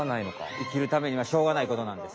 生きるためにはしょうがないことなんです。